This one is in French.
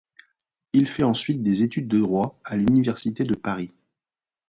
Il fait ensuite des études de droit à l'Université de Paris.